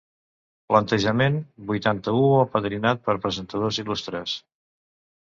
Plantejament vuitanta-u apadrinat per presentadors il·lustres.